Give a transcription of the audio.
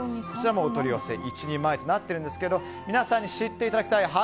こちらのお取り寄せ１人前となっておりますが皆さんに知っていただきたい